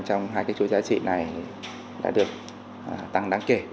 trong hai cái chuỗi giá trị này đã được tăng đáng kể